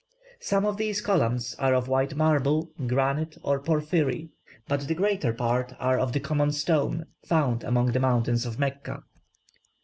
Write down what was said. Some of these columns are of white marble, granite, or porphyry, but the greater part are of the common stone found among the mountains of Mecca.